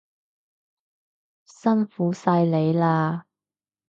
辛苦晒你喇